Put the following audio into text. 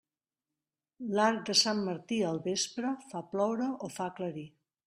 L'arc de Sant Martí al vespre, fa ploure o fa aclarir.